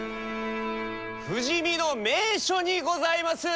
富士見の名所にございます！